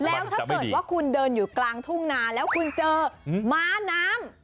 แล้วถ้าเกิดว่าคุณเดินอยู่กลางทุ่งนาแล้วคุณเจอม้าน้ำ